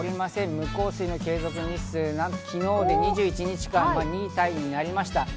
無降水の継続日数、なんと昨日で２１日間、２位タイとなりました。